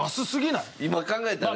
今考えたらね。